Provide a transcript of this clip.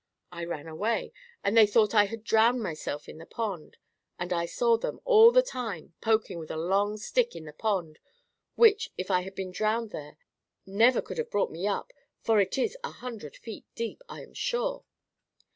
I ran away, and they thought I had drowned myself in the pond. And I saw them, all the time, poking with a long stick in the pond, which, if I had been drowned there, never could have brought me up, for it is a hundred feet deep, I am sure.